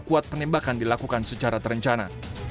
kuat penembakan dilakukan secara terencana